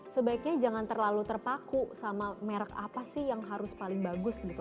sebaiknya jangan terlalu terpaku sama merek apa sih yang harus paling bagus gitu